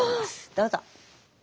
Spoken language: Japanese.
どうぞ。